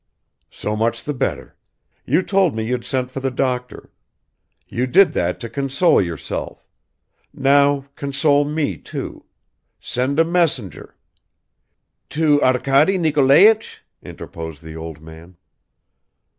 "So much the better. You told me you'd sent for the doctor ... you did that to console yourself ... now console me too; send a messenger ..." "To Arkady Nikolaich?" interposed the old man.